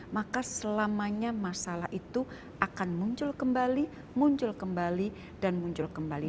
maka selamanya masalah itu akan muncul kembali muncul kembali dan muncul kembali